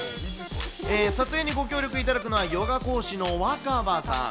撮影にご協力いただくのはヨガ講師の若葉さん。